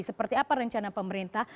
seperti apa rencana pemerintah